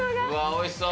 おいしそう！